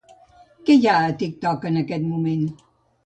Què hi ha a TikTok en aquest moment?